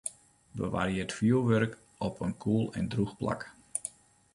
Bewarje it fjoerwurk op in koel en drûch plak.